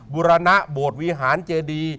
บุรณะโบสถวิหารเจดี